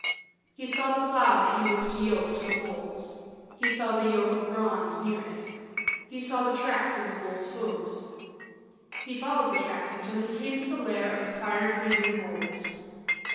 He saw the plow that he was to yoke to the bulls; he saw the yoke of bronze near it; he saw the tracks of the bulls' hooves. He followed the tracks until he came to the lair of the fire breathing bulls.